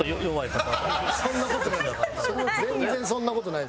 そんな事ない。